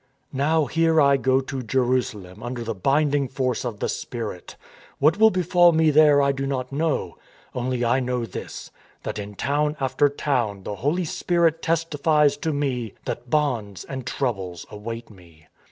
" Now here I go to Jerusalem under the binding force of the Spirit. What will befall me there I do not know. Only I know this, that in town after town the Holy Spirit testifies to me that bonds and troubles await me."